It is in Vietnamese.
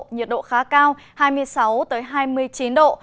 nhiệt độ khá cao hai mươi sáu hai mươi chín độ